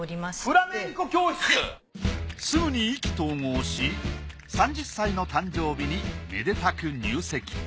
すぐに意気投合し３０歳の誕生日にめでたく入籍。